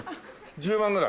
１０万ぐらい？